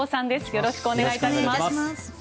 よろしくお願いします。